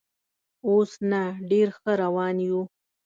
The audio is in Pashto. اوس نه، ډېر ښه روان یو.